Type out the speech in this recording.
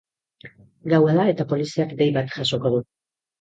Gaua da eta poliziak dei bat jasoko du.